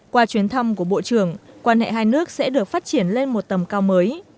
qua chuyến thăm của bộ trưởng quan hệ hai nước sẽ được phát triển lên một tầm cao mới